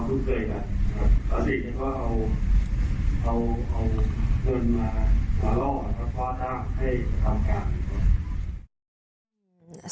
อืม